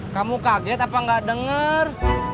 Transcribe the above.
kamu kaget apa gak denger